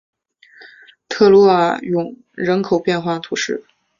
特鲁瓦永人口变化图示